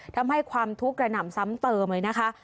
ทำให้ความทุกข์กระหน่ำซ้ำเติมเลยนะคะ